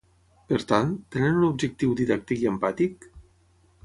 Per tant, tenen un objectiu didàctic i empàtic?